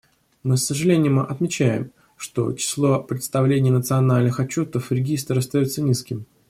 Мы с сожалением отмечаем, что число представлений национальных отчетов в Регистр остается низким.